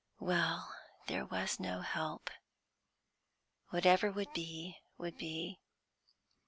Well, there was no help. Whatever would be, would be.